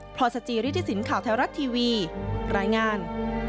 พศจริษฐศิลป์ข่าวแท้วรัฐทีวีรายงาน